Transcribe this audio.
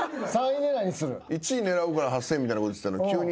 １位狙うから８，０００円みたいなこと言ってたのに急に。